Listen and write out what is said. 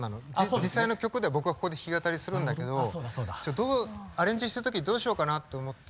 実際の曲では僕はここで弾き語りするんだけどアレンジしたときどうしようかなと思って。